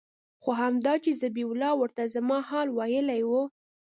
خو همدا چې ذبيح الله ورته زما حال ويلى و.